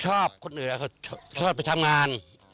ชอบคุณเอ่อชอบไปทำงาน